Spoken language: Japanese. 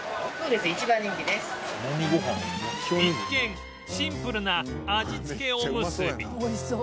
一見シンプルな味付けおむすび